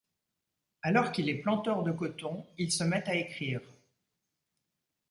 Alors qu'il est planteur de coton, il se met à écrire.